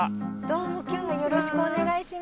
どうも今日はよろしくお願いします。